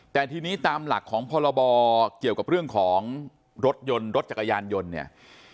แต่ทีนี้ตามหลักของพรบเกี่ยวกับเรื่องของรถยนต์รถจักรยานยนต์เนี่ย